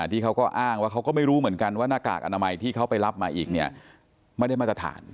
ที่เขาก็อ้างว่าเขาก็ไม่รู้เหมือนกันว่าหน้ากากอนามัยที่เขาไปรับมาอีกเนี่ยไม่ได้มาตรฐาน